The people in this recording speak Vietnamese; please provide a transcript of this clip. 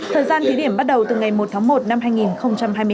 thời gian thí điểm bắt đầu từ ngày một tháng một năm hai nghìn hai mươi bốn